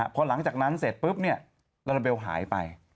พอหลังจากนั้นเสร็จปุ๊บเนี่ยลาลาเบลหายไป